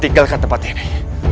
tinggalkan tempat ini